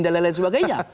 dan lain lain sebagainya